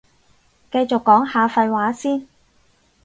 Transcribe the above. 繼續講下廢話先